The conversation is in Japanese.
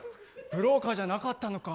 ブローカーじゃなかったのか。